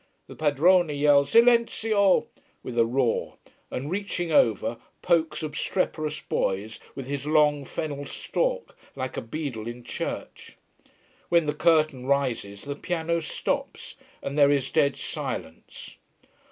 The padrone yells Silenzio! with a roar, and reaching over, pokes obstreperous boys with his long fennel stalk, like a beadle in church. When the curtain rises the piano stops, and there is dead silence.